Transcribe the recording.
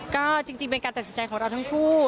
ก็จริงเป็นการตัดสินใจของเราทั้งคู่